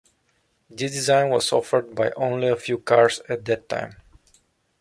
This design was offered by only a few cars at that time.